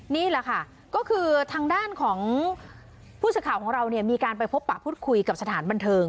นี่แหละค่ะก็คือทางด้านของผู้สื่อข่าวของเราเนี่ยมีการไปพบปะพูดคุยกับสถานบันเทิง